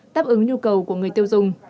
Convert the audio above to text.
tấp ứng nhu cầu của người tiêu dùng